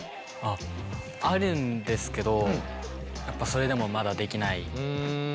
あるんですけどやっぱそれでもまだできない。